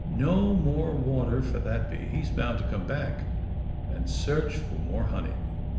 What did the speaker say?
No more water for that bee; he is bound to come back and search for more honey.